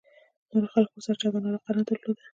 نورو خلکو ورسره چندان علاقه نه درلوده.